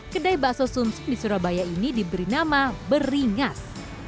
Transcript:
kedai bakso sum sum di surabaya ini diberi nama beringas